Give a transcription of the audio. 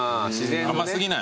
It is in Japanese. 甘過ぎない？